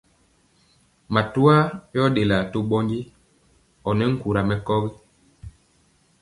Matwa yɔ ɗelaa to ɓɔndi ɔnɛ nkura mɛkɔgi.